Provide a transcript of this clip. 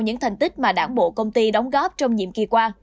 những thành tích mà đảng bộ công ty đóng góp trong nhiệm kỳ qua